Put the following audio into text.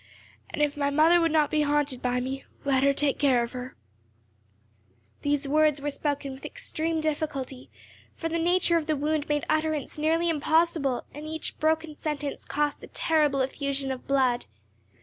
And if my mother would not be haunted by me, let her take care of her." These words were spoken with extreme difficulty, for the nature of the wound made utterance nearly impossible, and each broken sentence cost a terrible effusion of blood.